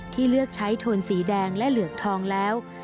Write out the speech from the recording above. เลือกใช้โทนสีแดงและเหลือกทองแล้ว